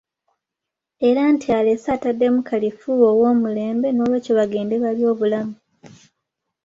Era nti alese ataddemu kalifuuwa ow'omulembe n'olwekyo bagende balye obulamu.